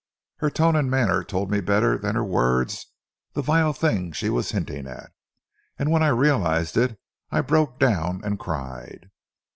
"Her tone and manner told me better than her words the vile thing she was hinting at, and when I realized it, I broke down and cried."